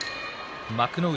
幕内